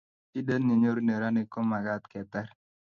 shidet nenyoru neranik ko makat ketar